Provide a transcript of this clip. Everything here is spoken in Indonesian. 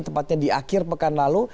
tepatnya di akhir pekan lalu